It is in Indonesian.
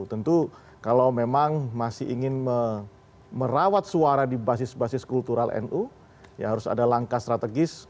tentu kalau memang masih ingin merawat suara di basis basis kultural nu ya harus ada langkah strategis